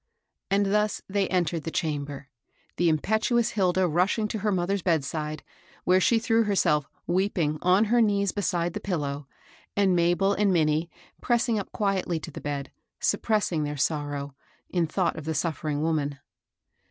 And thus they entered the chamber, the impet uous Hilda rushing to her mother's bedside, where she threw herself, weeping, on her knees beside the pillow, and Mabel and Minnie, pressing up quietly to the bed, suppressing their sorrow, in thought of the suffering woman.